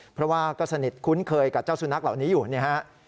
เพราะว่าก็สนิทคุ้นเคยกับเจ้าสุนัขเหล่านี้อยู่เนี่ยฮะ